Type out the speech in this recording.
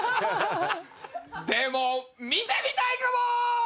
でも見てみたいかも！